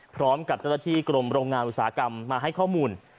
พร้อมกับเจ้าหน้าที่กรมโรงงานอุตสาหกรรมมาให้ข้อมูล